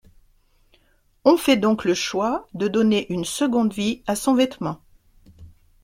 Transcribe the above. On fait donc le choix de donner une seconde vie à son vêtement.